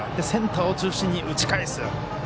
センターを中心に打ち返す。